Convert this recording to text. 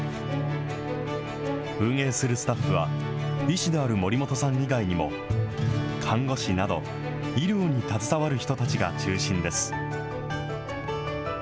運営するスタッフは、医師である守本さん以外にも、看護師など医療に携わる人たちが中心です。